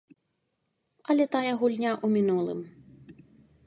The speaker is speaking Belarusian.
Але тая гульня ў мінулым.